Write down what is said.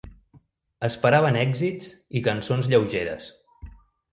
Esperaven èxits i cançons lleugeres.